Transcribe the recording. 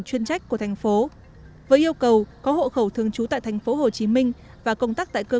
chuyên trách của thành phố với yêu cầu có hộ khẩu thường trú tại tp hcm và công tác tại cơ